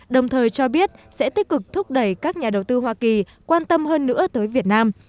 đồng thời cho biết sẽ tích cực thúc đẩy các nhà đầu tư hoa kỳ quan tâm hơn nữa tới việt nam